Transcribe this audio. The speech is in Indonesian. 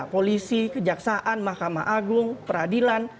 polisi kejaksaan mahkamah agung peradilan